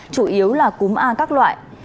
chủ yếu là cúm a các loại